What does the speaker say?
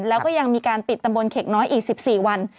แล้วก็ยังมีการปิดตำบลเข็กน้อยอีก๑๔วัน